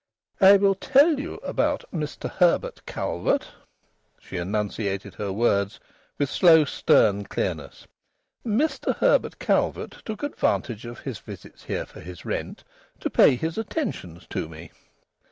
"I will tell you about Mr Herbert Calvert;" she enunciated her words with slow, stern clearness. "Mr Herbert Calvert took advantage of his visits here for his rent to pay his attentions to me.